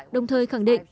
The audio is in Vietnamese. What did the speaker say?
đồng thời khẳng định